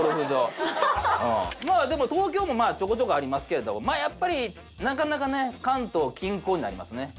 まあでも東京もちょこちょこありますけどやっぱりなかなかね関東近郊になりますね。